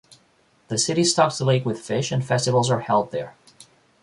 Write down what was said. The city stocks the lake with fish and festivals are held there.